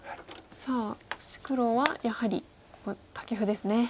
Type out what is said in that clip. さあ黒はやはりここタケフですね。